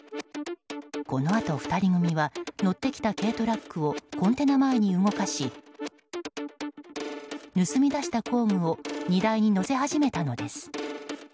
このあと２人組は乗ってきた軽トラックをコンテナ前に動かし盗み出した工具を荷台に載せ始めたのです。